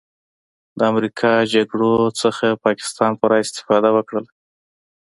د امریکا جګړو نه پاکستان پوره استفاده وکړله